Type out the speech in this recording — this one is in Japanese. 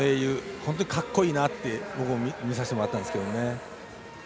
本当にかっこいいなって僕も見させてもらったんですけどね。